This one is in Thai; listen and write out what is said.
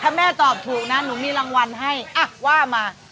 ถ้าแม่ตอบถูกนะหนูมีรางวัลให้ว่ามา